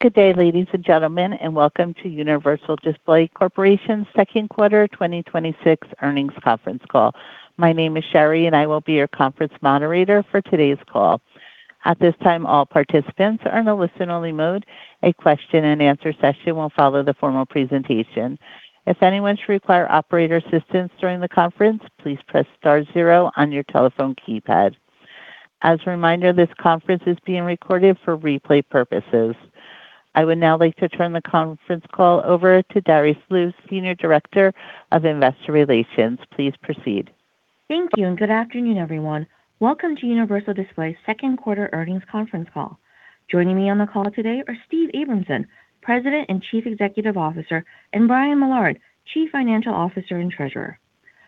Good day, ladies and gentlemen, and welcome to Universal Display Corporation's second quarter 2026 earnings conference call. My name is Sherry, and I will be your conference moderator for today's call. At this time, all participants are in a listen-only mode. A question-and-answer session will follow the formal presentation. If anyone should require operator assistance during the conference, please press star zero on your telephone keypad. As a reminder, this conference is being recorded for replay purposes. I would now like to turn the conference call over to Darice Liu, Senior Director of Investor Relations. Please proceed. Thank you. Good afternoon, everyone. Welcome to Universal Display's second quarter earnings conference call. Joining me on the call today are Steve Abramson, President and Chief Executive Officer, and Brian Millard, Chief Financial Officer and Treasurer.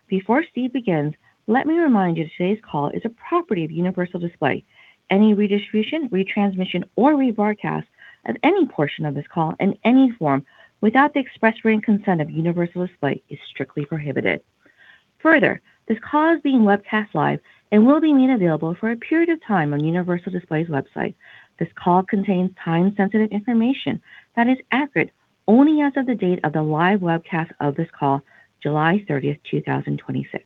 Before Steve begins, let me remind you that today's call is a property of Universal Display. Any redistribution, retransmission, or rebroadcast of any portion of this call in any form without the express written consent of Universal Display is strictly prohibited. This call is being webcast live and will be made available for a period of time on Universal Display's website. This call contains time-sensitive information that is accurate only as of the date of the live webcast of this call, July 30th, 2026.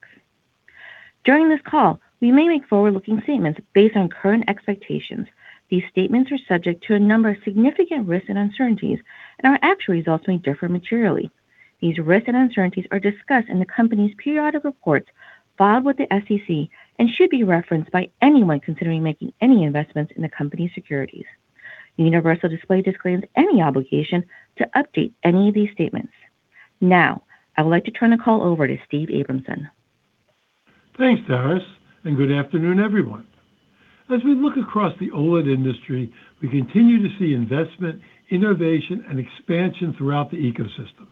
During this call, we may make forward-looking statements based on current expectations. These statements are subject to a number of significant risks and uncertainties. Our actual results may differ materially. These risks and uncertainties are discussed in the company's periodic reports filed with the SEC and should be referenced by anyone considering making any investments in the company's securities. Universal Display disclaims any obligation to update any of these statements. I would like to turn the call over to Steve Abramson. Thanks, Darice. Good afternoon, everyone. As we look across the OLED industry, we continue to see investment, innovation, and expansion throughout the ecosystem.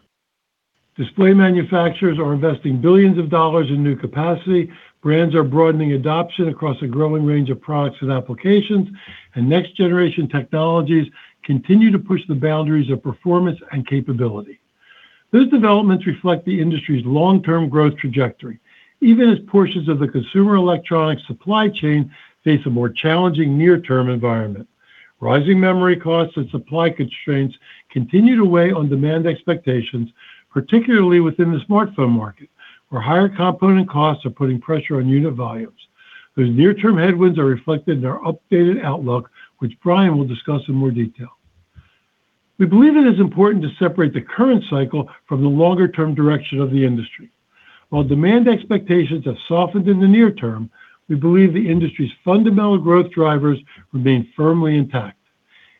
Display manufacturers are investing billions of dollars in new capacity; brands are broadening adoption across a growing range of products and applications. Next-generation technologies continue to push the boundaries of performance and capability. Those developments reflect the industry's long-term growth trajectory, even as portions of the consumer electronics supply chain face a more challenging near-term environment. Rising memory costs and supply constraints continue to weigh on demand expectations, particularly within the smartphone market, where higher component costs are putting pressure on unit volumes. Those near-term headwinds are reflected in our updated outlook, which Brian will discuss in more detail. We believe it is important to separate the current cycle from the longer-term direction of the industry. While demand expectations have softened in the near term, we believe the industry's fundamental growth drivers remain firmly intact.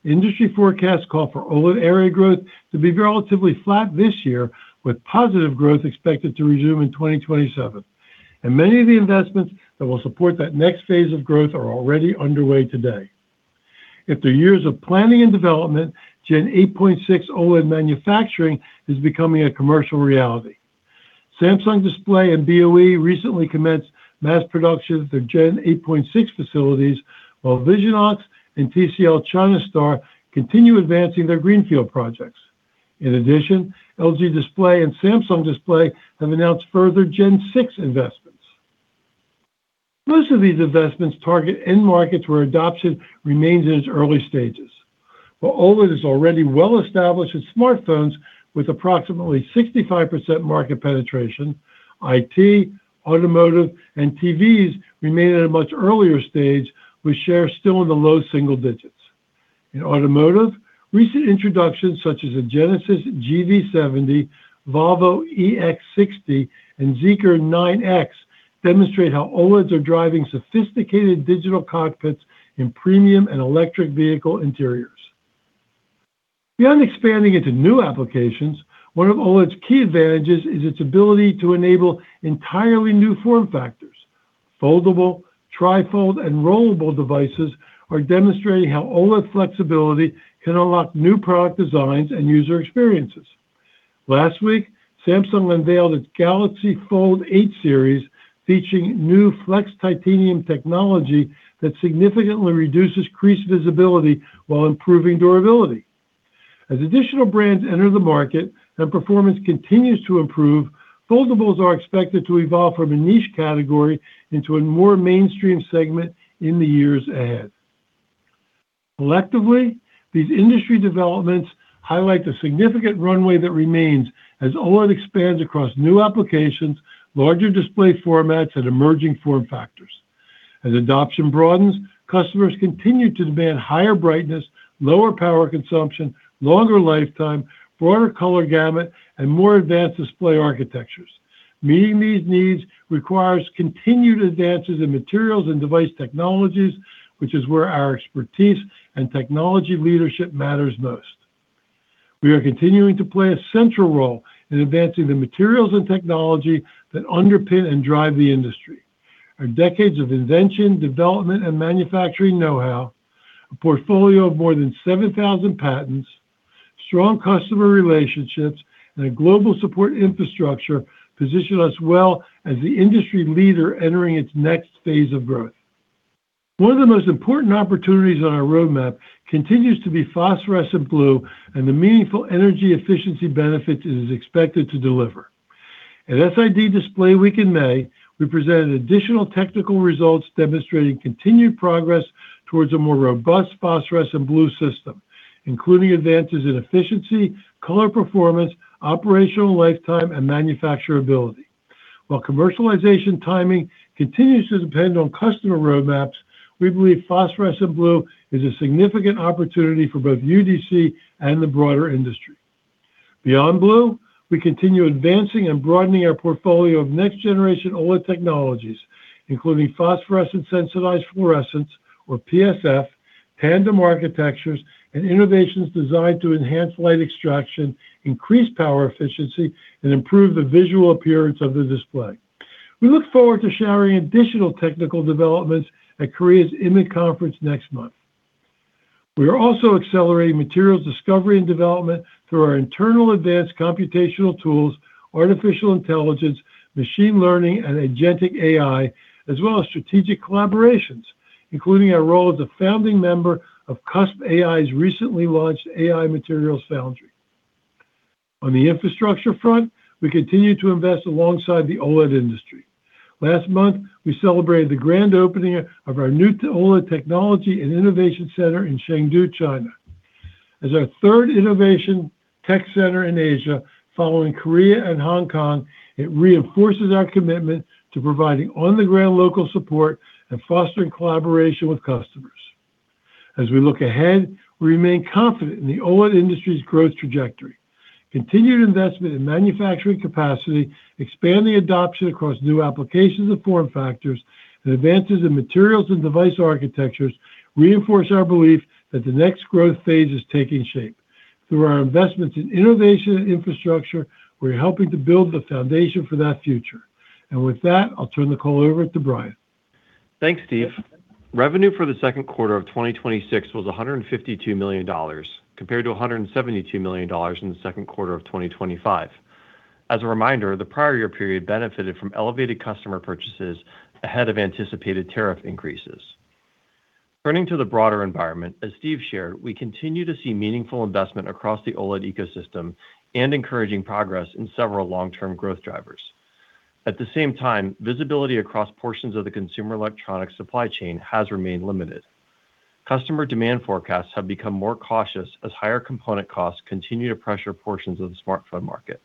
Industry forecasts call for OLED area growth to be relatively flat this year, with positive growth expected to resume in 2027. Many of the investments that will support that next phase of growth are already underway today. After years of planning and development, Gen 8.6 OLED manufacturing is becoming a commercial reality. Samsung Display and BOE recently commenced mass production at their Gen 8.6 facilities, while Visionox and TCL China Star continue advancing their greenfield projects. In addition, LG Display and Samsung Display have announced further Gen 6 investments. Most of these investments target end markets where adoption remains in its early stages. While OLED is already well established in smartphones with approximately 65% market penetration, IT, automotive, and TVs remain at a much earlier stage, with shares still in the low single digits. In automotive, recent introductions such as the Genesis GV70, Volvo EX60, and Zeekr 9X demonstrate how OLEDs are driving sophisticated digital cockpits in premium and electric vehicle interiors. Beyond expanding into new applications, one of OLED's key advantages is its ability to enable entirely new form factors. Foldable, trifold, and rollable devices are demonstrating how OLED flexibility can unlock new product designs and user experiences. Last week, Samsung unveiled its Galaxy Fold 8 series, featuring new Flex Titanium technology that significantly reduces crease visibility while improving durability. As additional brands enter the market and performance continues to improve, foldables are expected to evolve from a niche category into a more mainstream segment in the years ahead. Collectively, these industry developments highlight the significant runway that remains as OLED expands across new applications, larger display formats, and emerging form factors. As adoption broadens, customers continue to demand higher brightness, lower power consumption, longer lifetime, broader color gamut, and more advanced display architectures. Meeting these needs requires continued advances in materials and device technologies, which is where our expertise and technology leadership matters most. We are continuing to play a central role in advancing the materials and technology that underpin and drive the industry. Our decades of invention, development, and manufacturing know-how, a portfolio of more than 7,000 patents, strong customer relationships, and a global support infrastructure position us well as the industry leader entering its next phase of growth. One of the most important opportunities on our roadmap continues to be phosphorescent blue and the meaningful energy efficiency benefits it is expected to deliver. At SID Display Week in May, we presented additional technical results demonstrating continued progress towards a more robust phosphorescent blue system, including advances in efficiency, color performance, operational lifetime, and manufacturability. While commercialization timing continues to depend on customer roadmaps, we believe phosphorescent blue is a significant opportunity for both UDC and the broader industry. Beyond blue, we continue advancing and broadening our portfolio of next generation OLED technologies, including phosphorescent sensitized fluorescence or PSF tandem architectures, and innovations designed to enhance light extraction, increase power efficiency, and improve the visual appearance of the display. We look forward to sharing additional technical developments at Korea's IMID Conference next month. We are also accelerating materials discovery and development through our internal advanced computational tools, artificial intelligence, machine learning, and agentic AI, as well as strategic collaborations, including our role as a founding member of CuspAI's recently launched AI Materials Foundry. On the infrastructure front, we continue to invest alongside the OLED industry. Last month, we celebrated the grand opening of our new OLED Technology and Innovation Center in Chengdu, China. As our third innovation tech center in Asia, following Korea and Hong Kong, it reinforces our commitment to providing on-the-ground local support and fostering collaboration with customers. As we look ahead, we remain confident in the OLED industry's growth trajectory. Continued investment in manufacturing capacity, expanding adoption across new applications and form factors, and advances in materials and device architectures reinforce our belief that the next growth phase is taking shape. Through our investments in innovation and infrastructure, we're helping to build the foundation for that future. With that, I'll turn the call over to Brian. Thanks, Steve. Revenue for the second quarter of 2026 was $152 million compared to $172 million in the second quarter of 2025. As a reminder, the prior year period benefited from elevated customer purchases ahead of anticipated tariff increases. Turning to the broader environment, as Steve shared, we continue to see meaningful investment across the OLED ecosystem and encouraging progress in several long-term growth drivers. At the same time, visibility across portions of the consumer electronics supply chain has remained limited. Customer demand forecasts have become more cautious as higher component costs continue to pressure portions of the smartphone market.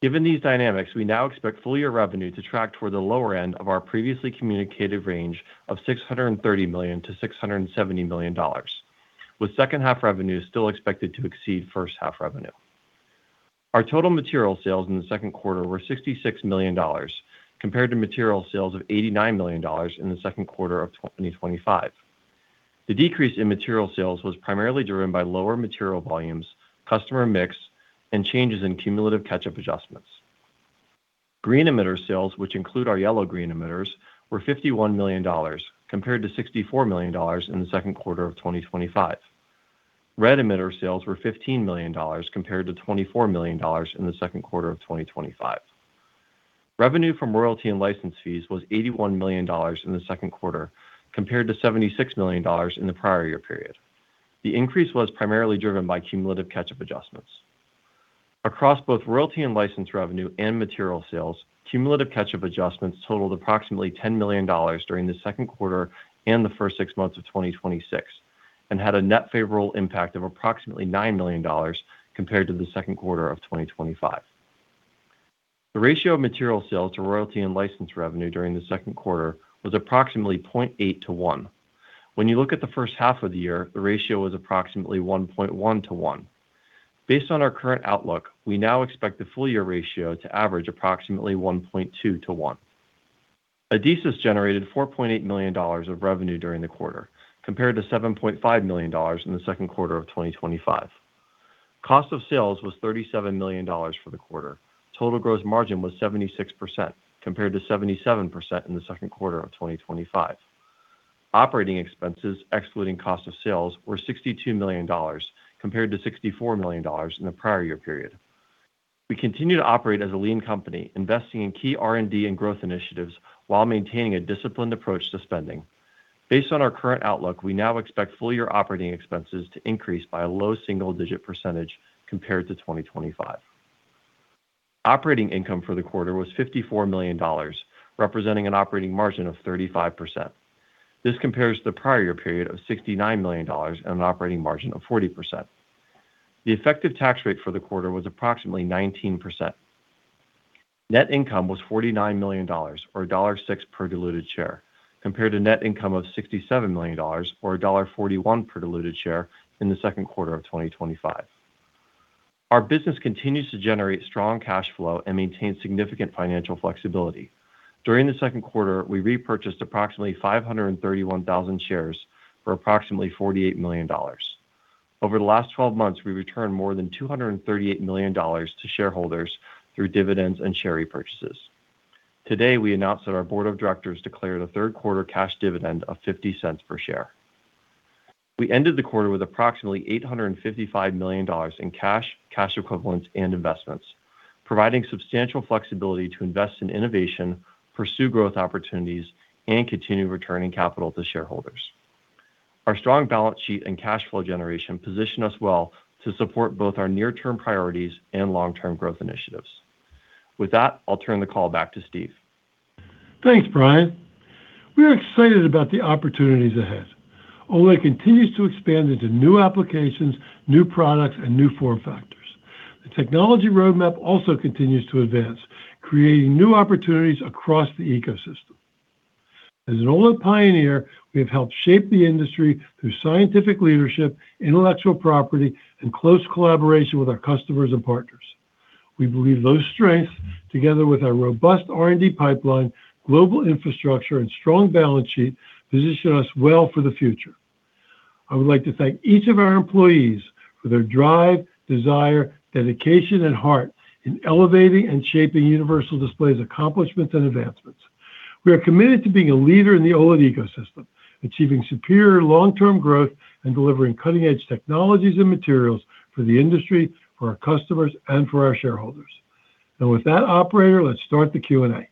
Given these dynamics, we now expect full-year revenue to track toward the lower end of our previously communicated range of $630 million-$670 million, with second half revenue still expected to exceed first half revenue. Our total material sales in the second quarter were $66 million, compared to material sales of $89 million in the second quarter of 2025. The decrease in material sales was primarily driven by lower material volumes, customer mix, and changes in cumulative catch-up adjustments. Green emitter sales, which include our yellow-green emitters, were $51 million, compared to $64 million in the second quarter of 2025. Red emitter sales were $15 million compared to $24 million in the second quarter of 2025. Revenue from royalty and license fees was $81 million in the second quarter, compared to $76 million in the prior year period. The increase was primarily driven by cumulative catch-up adjustments. Across both royalty and license revenue and material sales, cumulative catch-up adjustments totaled approximately $10 million during the second quarter and the first six months of 2026, had a net favorable impact of approximately $9 million compared to the second quarter of 2025. The ratio of material sales to royalty and license revenue during the second quarter was approximately 0.8:1. When you look at the first half of the year, the ratio was approximately 1.1:1. Based on our current outlook, we now expect the full year ratio to average approximately 1.2:1. Adesis generated $4.8 million of revenue during the quarter, compared to $7.5 million in the second quarter of 2025. Cost of sales was $37 million for the quarter. Total gross margin was 76%, compared to 77% in the second quarter of 2025. Operating expenses, excluding cost of sales, were $62 million, compared to $64 million in the prior year period. We continue to operate as a lean company, investing in key R&D and growth initiatives while maintaining a disciplined approach to spending. Based on our current outlook, we now expect full year operating expenses to increase by a low single-digit percentage compared to 2025. Operating income for the quarter was $54 million, representing an operating margin of 35%. This compares to the prior year period of $69 million and an operating margin of 40%. The effective tax rate for the quarter was approximately 19%. Net income was $49 million, or $1.06 per diluted share, compared to net income of $67 million, or $1.41 per diluted share in the second quarter of 2025. Our business continues to generate strong cash flow and maintain significant financial flexibility. During the second quarter, we repurchased approximately 531,000 shares, for approximately $48 million. Over the last 12 months, we've returned more than $238 million to shareholders through dividends and share repurchases. Today, we announced that our board of directors declared a third quarter cash dividend of $0.50 per share. We ended the quarter with approximately $855 million in cash equivalents, and investments, providing substantial flexibility to invest in innovation, pursue growth opportunities, and continue returning capital to shareholders. Our strong balance sheet and cash flow generation position us well to support both our near-term priorities and long-term growth initiatives. With that, I'll turn the call back to Steve. Thanks, Brian. We are excited about the opportunities ahead. OLED continues to expand into new applications, new products, and new form factors. The technology roadmap also continues to advance, creating new opportunities across the ecosystem. As an OLED pioneer, we have helped shape the industry through scientific leadership, intellectual property, and close collaboration with our customers and partners. We believe those strengths, together with our robust R&D pipeline, global infrastructure, and strong balance sheet, position us well for the future. I would like to thank each of our employees for their drive, desire, dedication, and heart in elevating and shaping Universal Display's accomplishments and advancements. We are committed to being a leader in the OLED ecosystem, achieving superior long-term growth, and delivering cutting-edge technologies and materials for the industry, for our customers, and for our shareholders. With that, operator, let's start the Q&A.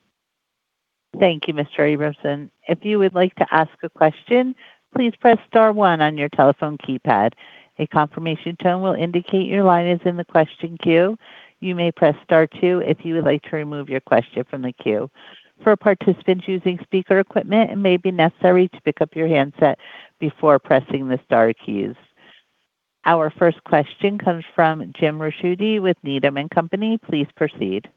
Thank you, Mr. Abramson. If you would like to ask a question, please press star one on your telephone keypad. A confirmation tone will indicate your line is in the question queue. You may press star two if you would like to remove your question from the queue. For participants using speaker equipment, it may be necessary to pick up your handset before pressing the star keys. Our first question comes from Jim Ricchiuti with Needham & Company. Please proceed.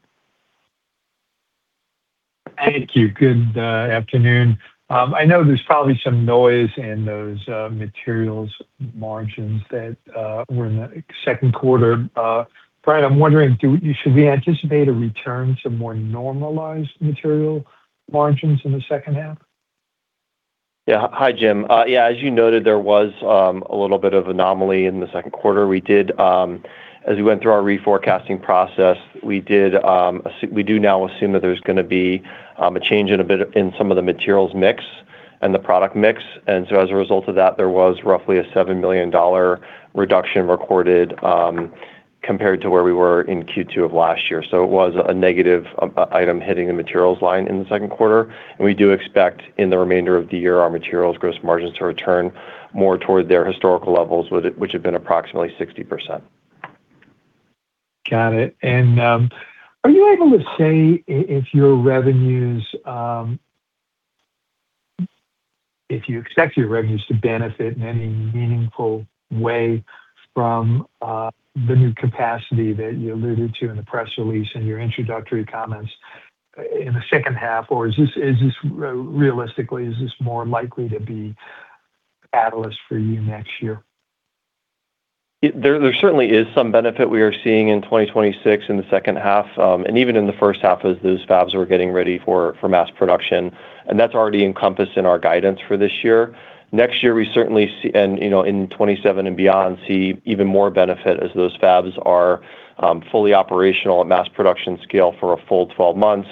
Thank you. Good afternoon. I know there's probably some noise in those materials margins that were in the second quarter. Brian, I'm wondering, should we anticipate a return to more normalized material margins in the second half? Yeah. Hi, Jim. Yeah, as you noted, there was a little bit of anomaly in the second quarter. As we went through our reforecasting process, we do now assume that there's going to be a change in some of the materials mix and the product mix. As a result of that, there was roughly a $7 million reduction recorded, compared to where we were in Q2 of last year. So it was a negative item hitting the materials line in the second quarter. And we do expect in the remainder of the year, our materials gross margins to return more toward their historical levels, which have been approximately 60%. Got it. Are you able to say if you expect your revenues to benefit in any meaningful way from the new capacity that you alluded to in the press release and your introductory comments in the second half, or realistically, is this more likely to be a catalyst for you next year? There certainly is some benefit we are seeing in 2026 in the second half and even in the first half as those fabs were getting ready for mass production, and that's already encompassed in our guidance for this year. Next year, we certainly, and in 2027 and beyond, see even more benefit as those fabs are fully operational at mass production scale for a full 12 months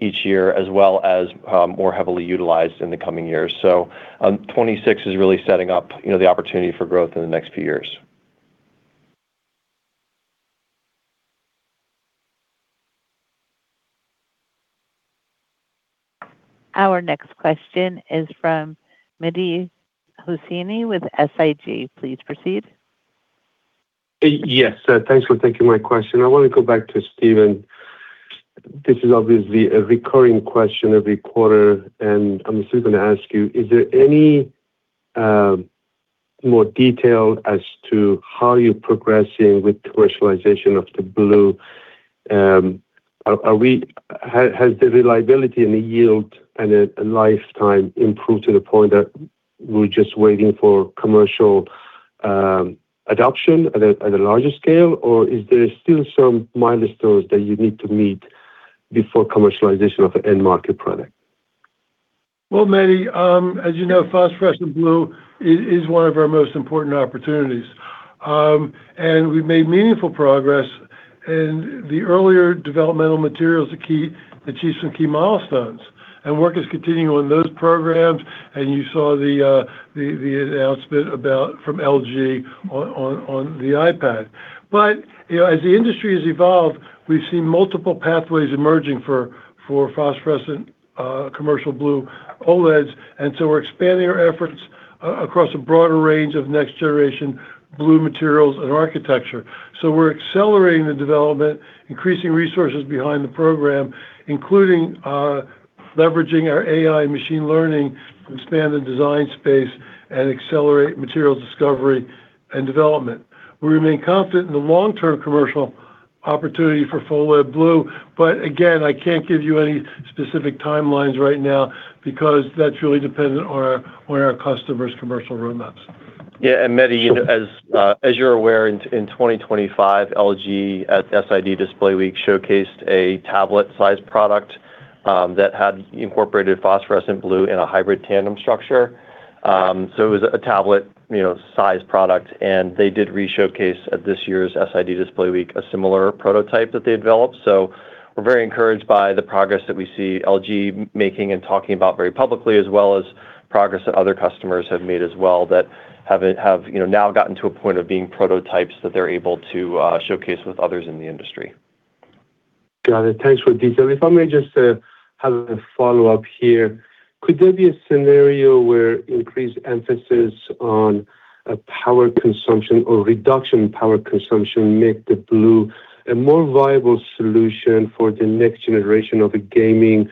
each year, as well as more heavily utilized in the coming years. 2026 is really setting up the opportunity for growth in the next few years. Our next question is from Mehdi Hosseini with SIG. Please proceed. Yes. Thanks for taking my question. I want to go back to Steve. This is obviously a recurring question every quarter, and I'm still going to ask you, is there any more detail as to how you're progressing with commercialization of the blue? Has the reliability and the yield and the lifetime improved to the point that we're just waiting for commercial adoption at a larger scale, or is there still some milestones that you need to meet before commercialization of the end market product? Well, Mehdi, as you know, phosphorescent blue is one of our most important opportunities. We've made meaningful progress in the earlier developmental materials to achieve some key milestones, and work is continuing on those programs, and you saw the announcement from LG on the iPad. As the industry has evolved, we've seen multiple pathways emerging for phosphorescent commercial blue OLEDs, and so we're expanding our efforts across a broader range of next generation blue materials and architecture. We're accelerating the development, increasing resources behind the program, including leveraging our AI machine learning to expand the design space and accelerate material discovery and development. We remain confident in the long-term commercial opportunity for full phosphorescent blue, but again, I can't give you any specific timelines right now because that's really dependent on our customers' commercial roadmaps. Yeah. Mehdi, as you're aware, in 2025, LG at SID Display Week showcased a tablet-sized product that had incorporated phosphorescent blue in a hybrid tandem structure. It was a tablet-sized product, and they did re-showcase at this year's SID Display Week a similar prototype that they had developed. We're very encouraged by the progress that we see LG making and talking about very publicly, as well as progress that other customers have made as well that have now gotten to a point of being prototypes that they're able to showcase with others in the industry. Got it. Thanks for the detail. If I may just have a follow-up here, could there be a scenario where increased emphasis on power consumption or reduction in power consumption make the blue a more viable solution for the next generation of a gaming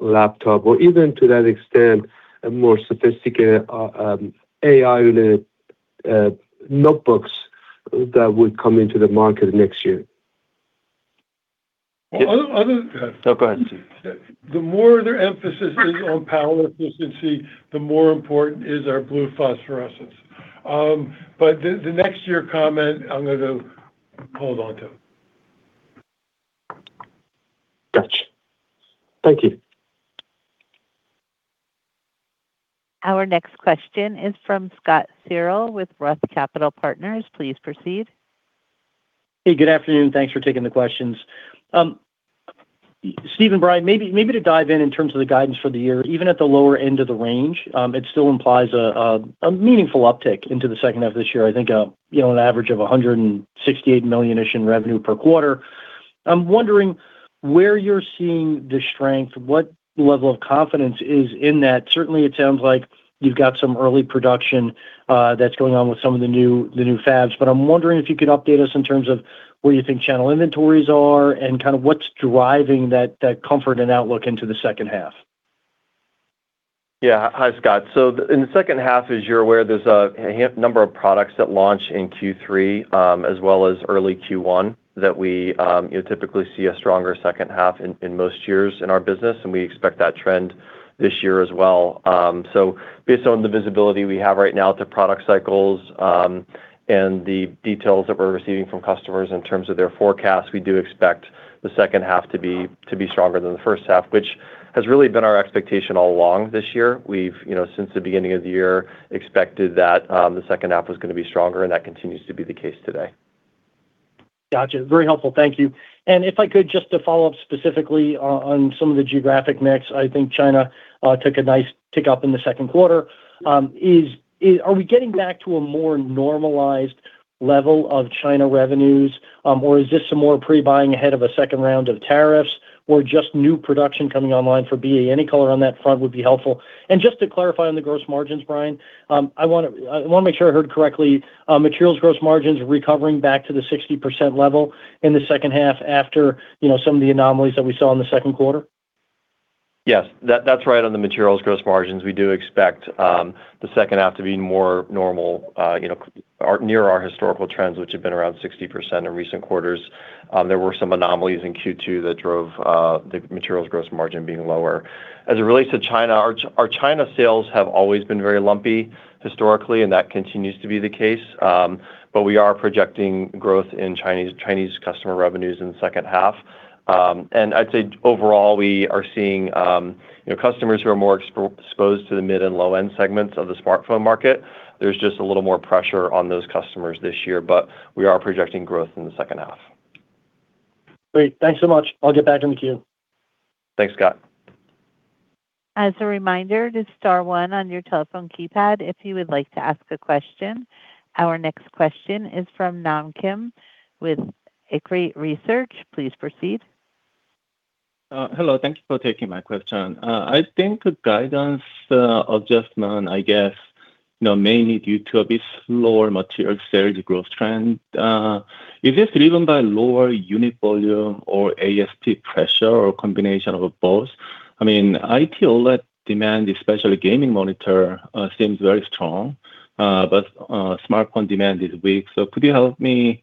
laptop, or even to that extent, a more sophisticated AI-related notebooks that would come into the market next year? Well, other- No, go ahead The more their emphasis is on power efficiency, the more important is our blue phosphorescence. The next year comment, I'm going to hold on to. Got you. Thank you. Our next question is from Scott Searle with Roth Capital Partners. Please proceed. Hey, good afternoon. Thanks for taking the questions. Steve and Brian, maybe to dive in in terms of the guidance for the year, even at the lower end of the range, it still implies a meaningful uptick into the second half of this year. I think, an average of $168 million-ish in revenue per quarter. I'm wondering where you're seeing the strength, what level of confidence is in that? Certainly, it sounds like you've got some early production that's going on with some of the new fabs, I'm wondering if you could update us in terms of where you think channel inventories are and kind of what's driving that comfort and outlook into the second half. Hi, Scott. In the second half, as you're aware, there's a number of products that launch in Q3, as well as early Q1, that we typically see a stronger second half in most years in our business, and we expect that trend this year as well. Based on the visibility we have right now to product cycles, and the details that we're receiving from customers in terms of their forecasts, we do expect the second half to be stronger than the first half, which has really been our expectation all along this year. We've, since the beginning of the year, expected that the second half was going to be stronger, and that continues to be the case today. Got you. Very helpful. Thank you. If I could just to follow up specifically on some of the geographic mix, I think China took a nice tick up in the second quarter. Are we getting back to a more normalized level of China revenues, or is this some more pre-buying ahead of a second round of tariffs or just new production coming online for BOE? Any color on that front would be helpful. Just to clarify on the gross margins, Brian, I want to make sure I heard correctly. Materials gross margins recovering back to the 60% level in the second half after some of the anomalies that we saw in the second quarter? Yes. That's right on the materials gross margins. We do expect the second half to be more normal, near our historical trends, which have been around 60% in recent quarters. There were some anomalies in Q2 that drove the materials gross margin being lower. As it relates to China, our China sales have always been very lumpy historically, and that continues to be the case. We are projecting growth in Chinese customer revenues in the second half. I'd say overall, we are seeing customers who are more exposed to the mid and low-end segments of the smartphone market. There's just a little more pressure on those customers this year, but we are projecting growth in the second half. Great. Thanks so much. I'll get back in the queue. Thanks, Scott. As a reminder, just star one on your telephone keypad if you would like to ask a question. Our next question is from Nam Kim with Arete Research. Please proceed. Hello. Thank you for taking my question. I think the guidance adjustment, I guess, mainly due to a bit slower material sales growth trend. Is this driven by lower unit volume or ASP pressure, or a combination of both? I mean, IT OLED demand, especially gaming monitor, seems very strong, but smartphone demand is weak. Could you help me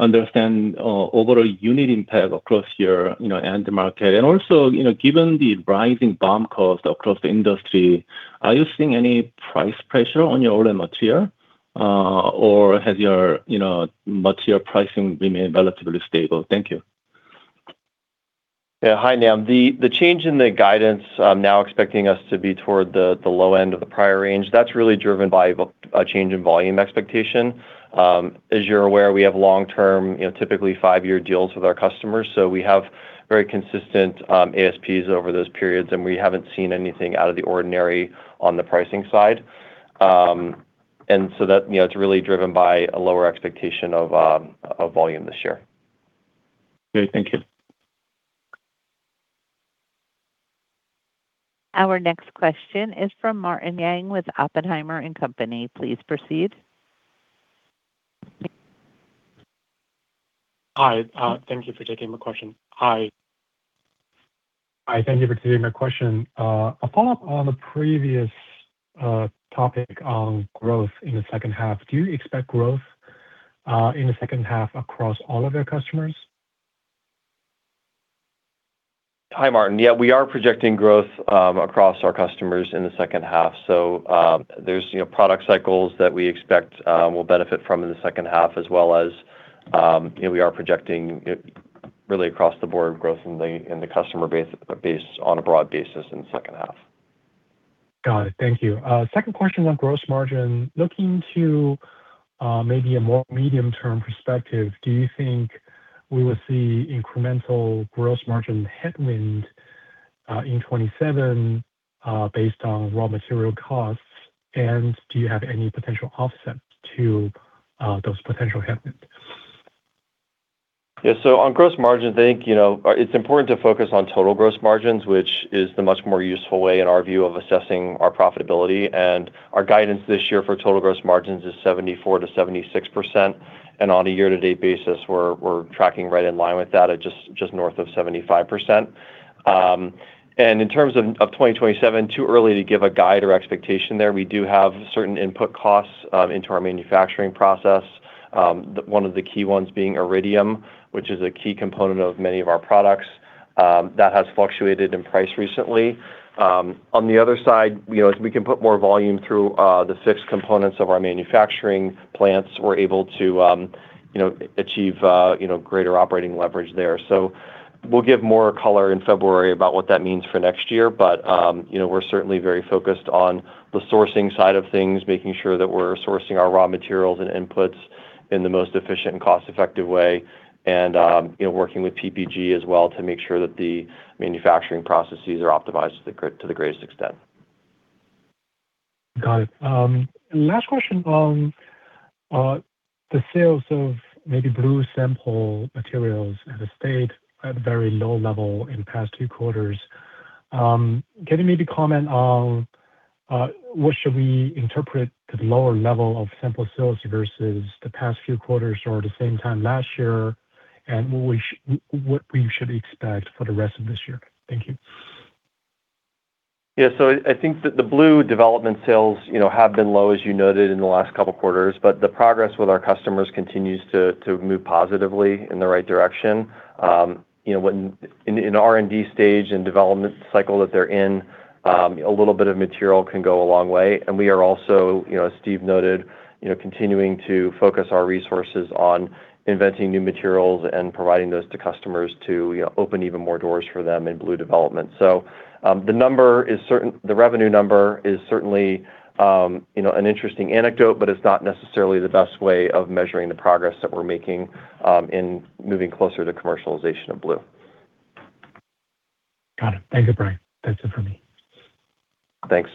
understand overall unit impact across your end market? Also, given the rising BOM cost across the industry, are you seeing any price pressure on your OLED material? Or has your material pricing remained relatively stable? Thank you. Yeah. Hi, Nam. The change in the guidance now expecting us to be toward the low end of the prior range, that's really driven by a change in volume expectation. As you're aware, we have long-term, typically five-year deals with our customers. We have very consistent ASPs over those periods, and we haven't seen anything out of the ordinary on the pricing side. That's really driven by a lower expectation of volume this year. Great. Thank you. Our next question is from Martin Yang with Oppenheimer & Co. Please proceed. Hi. Thank you for taking my question. A follow-up on the previous topic on growth in the second half. Do you expect growth in the second half across all of your customers? Hi, Martin. Yeah, we are projecting growth across our customers in the second half. There's product cycles that we expect we'll benefit from in the second half, as well as we are projecting really across the board growth in the customer base on a broad basis in the second half. Got it. Thank you. Second question on gross margin. Looking to maybe a more medium-term perspective, do you think we will see incremental gross margin headwind in 2027, based on raw material costs, and do you have any potential offset to those potential headwinds? Yeah. On gross margins, I think, it's important to focus on total gross margins, which is the much more useful way in our view of assessing our profitability. Our guidance this year for total gross margins is 74%-76%, and on a year-to-date basis, we're tracking right in line with that at just north of 75%. In terms of 2027, too early to give a guide or expectation there. We do have certain input costs into our manufacturing process. One of the key ones being iridium, which is a key component of many of our products. That has fluctuated in price recently. On the other side, as we can put more volume through the six components of our manufacturing plants, we're able to achieve greater operating leverage there. We'll give more color in February about what that means for next year. We're certainly very focused on the sourcing side of things, making sure that we're sourcing our raw materials and inputs in the most efficient and cost-effective way and working with PPG as well to make sure that the manufacturing processes are optimized to the greatest extent. Got it. Last question on the sales of maybe blue sample materials have stayed at a very low level in the past two quarters. Can you maybe comment on what should we interpret the lower level of sample sales versus the past few quarters or the same time last year, and what we should expect for the rest of this year? Thank you. Yeah. I think that the blue development sales have been low, as you noted in the last couple of quarters. The progress with our customers continues to move positively in the right direction. In the R&D stage and development cycle that they're in, a little bit of material can go a long way. We are also, as Steve noted, continuing to focus our resources on inventing new materials and providing those to customers to open even more doors for them in blue development. The revenue number is certainly an interesting anecdote, but it's not necessarily the best way of measuring the progress that we're making in moving closer to commercialization of blue. Got it. Thank you, Brian. That's it for me. Thanks.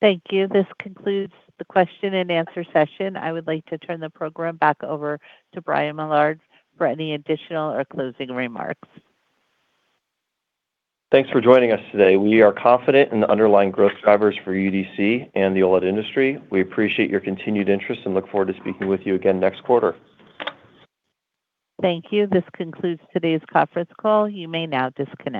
Thank you. This concludes the question-and-answer session. I would like to turn the program back over to Brian Millard for any additional or closing remarks. Thanks for joining us today. We are confident in the underlying growth drivers for UDC and the OLED industry. We appreciate your continued interest and look forward to speaking with you again next quarter. Thank you. This concludes today's conference call. You may now disconnect.